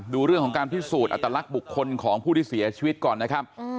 ดูเรื่องของการพิสูจน์อัตลักษณ์บุคคลของผู้ที่เสียชีวิตก่อนนะครับ